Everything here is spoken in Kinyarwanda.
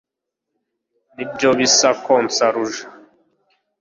ni byo bise konsa ruja